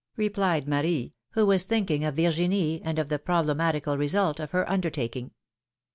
replied Marie, who was thinking of Virginie, and of the problematical result of her undertaking.